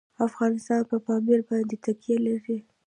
افغانستان په پامیر باندې تکیه لري.